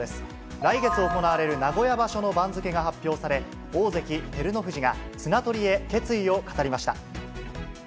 来月行われる名古屋場所の番付が発表され、大関・照ノ富士が綱取りへ決意を語りました。